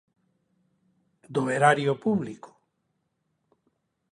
Do erario público.